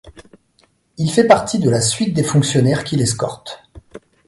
Il fait partie de la suite des fonctionnaires qui l'escortent.